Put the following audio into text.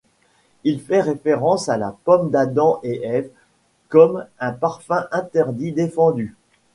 Il fait référence à la pomme d'Adam et Ève, comme un parfum interdit, défendu.